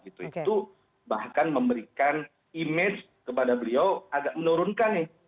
itu bahkan memberikan image kepada beliau agak menurunkan nih